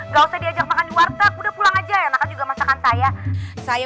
gak usah diajak makan di warteg udah pulang aja yang nakal juga masakan saya